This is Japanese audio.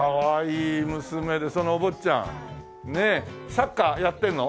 サッカーやってるの？